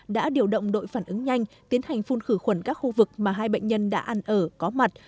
đã điều động đội phản ứng nhanh tiến hành phun khử khuẩn các khu vực mà hai bệnh nhân đã ăn ở có mặt